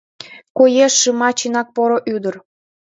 — Коеш, шыма, чынак поро ӱдыр.